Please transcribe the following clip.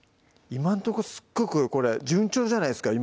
今んとこすっごくこれ順調じゃないですか？